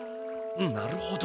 なるほど。